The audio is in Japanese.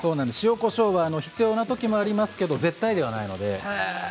塩、こしょうは必要なときもありますけど絶対ではないので。